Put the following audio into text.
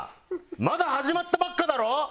まだ始まったばっかだろ！